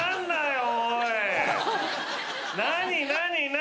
何？